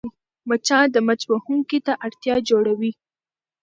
مچان د مچ وهونکي ته اړتیا جوړوي